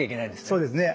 そうですね。